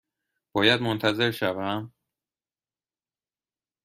باید منتظر شوم؟